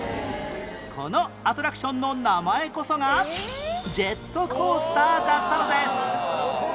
このアトラクションの名前こそがジェットコースターだったのです！